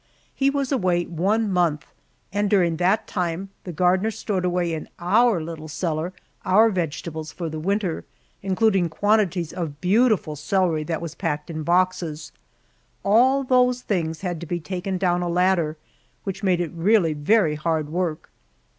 He was away one month, and during that time the gardener stored away in our little cellar our vegetables for the winter, including quantities of beautiful celery that was packed in boxes. All those things had to be taken down a ladder, which made it really very hard work.